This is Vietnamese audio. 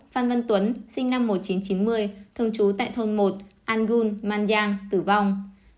sáu phan vân tuấn sinh năm một nghìn chín trăm chín mươi thường trú tại thôn một an gun mang giang tử vong